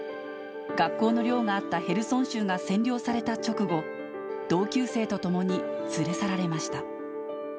学校の寮があったヘルソン州が占領された直後、同級生とともに連れ去られました。